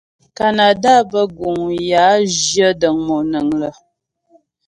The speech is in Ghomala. Kanada bə́ guŋ yə a zhyə dəŋ monəŋ lə́.